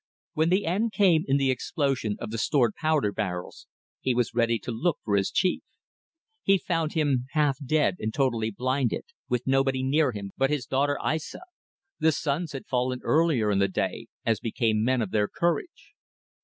When the end came in the explosion of the stored powder barrels, he was ready to look for his chief. He found him half dead and totally blinded, with nobody near him but his daughter Aissa: the sons had fallen earlier in the day, as became men of their courage.